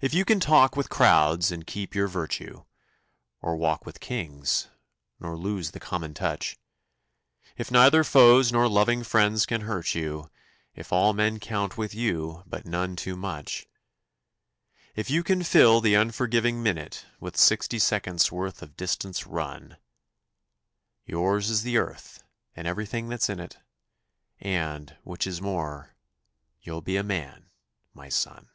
If you can talk with crowds and keep your virtue, Or walk with Kings nor lose the common touch; If neither foes nor loving friends can hurt you, If all men count with you, but none too much; If you can fill the unforgiving minute With sixty seconds' worth of distance run, Yours is the Earth and everything that's in it, And which is more you'll be a Man, my son!